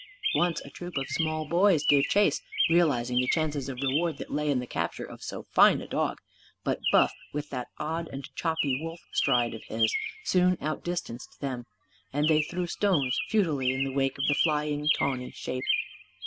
Once a troop of small boys gave chase, realising the chances of reward that lay in the capture of so fine a dog. But Buff, with that odd and choppy wolf stride of his, soon out distanced them. And they threw stones, futilely, in the wake of the flying tawny shape.